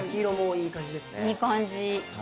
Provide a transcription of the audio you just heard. いい感じ。